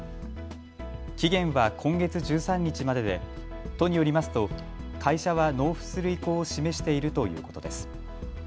期限は今月１３日までで都によりますと会社は納付する意向を示しているということです。